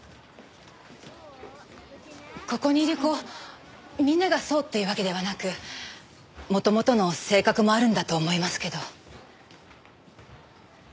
ここにいる子みんながそうっていうわけではなく元々の性格もあるんだと思いますけど。